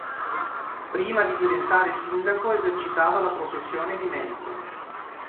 Prima di diventare sindaco esercitava la professione di medico.